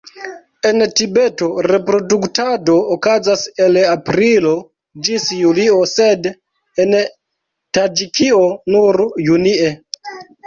En Tibeto reproduktado okazas el aprilo ĝis julio, sed en Taĝikio nur junie.